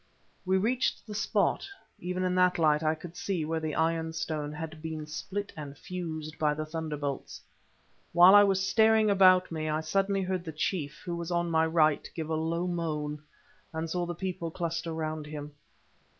We reached the spot; even in that light I could see where the iron stone had been split and fused by the thunderbolts. While I was staring about me, I suddenly heard the chief, who was on my right, give a low moan, and saw the people cluster round him.